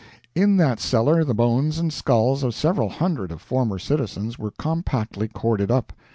In that cellar the bones and skulls of several hundred of former citizens were compactly corded up.